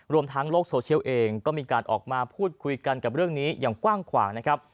รวมทั้งโลกโซเชียลเองก็มีการออกมาพูดคุยกันกับเรื่องนี้อย่างกว้างขวางนะครับ